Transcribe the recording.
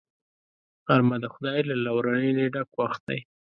غرمه د خدای له لورینې ډک وخت دی